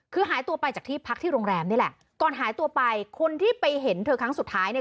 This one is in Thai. คือหายตัวไปจากที่พักที่โรงแรมนี่แหละก่อนหายตัวไปคนที่ไปเห็นเธอครั้งสุดท้ายเนี่ย